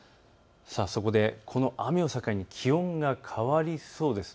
そこでこの雨を境に気温が変わりそうです。